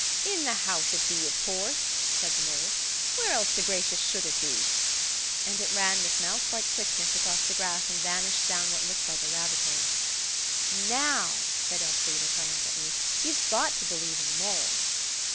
"In the house it be, of course," said the mole. "Where else to gracious should it be?" And it ran with mouse like quickness across the grass and vanished down what looked like a rabbit hole. "Now," said Elfrida triumphantly, "you've got to believe in the mole."